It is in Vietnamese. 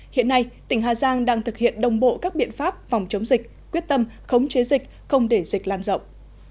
hiện nay tỉnh hà giang đang thực hiện đồng bộ các biện pháp phòng chống dịch quyết tâm khống chế dịch không để dịch lan rộng